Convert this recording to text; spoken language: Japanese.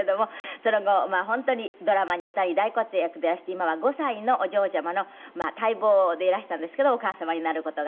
その後本当にドラマに歌に大活躍でいらして今は５歳のお嬢ちゃまの待望でいらしたんですけどお母様になる事が。